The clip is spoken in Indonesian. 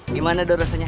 gimana doh rasanya